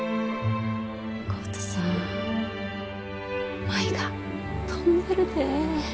浩太さん舞が飛んでるで。